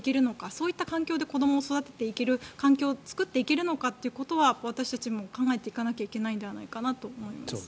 そういった環境で子どもを育てていける環境を作っていけるのかということは私たちも考えていかなきゃいけないのではないかなと思います。